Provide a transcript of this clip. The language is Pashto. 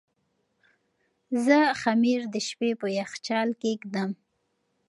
زه خمیر د شپې په یخچال کې ږدم.